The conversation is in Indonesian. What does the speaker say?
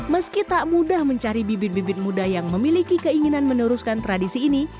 meski tak mudah mencari bibit bibit muda yang memiliki keinginan meneruskan tradisi ini